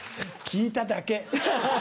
聞いただけ。